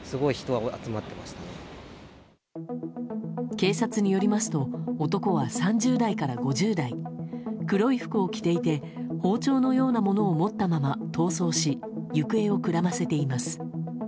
警察によりますと男は３０代から５０代黒い服を着ていて包丁のようなものを持ったまま逃走し、行方をくらませています。